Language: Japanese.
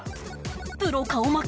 プロ顔負け？